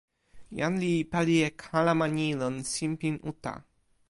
jan li pali e kalama ni lon sinpin uta.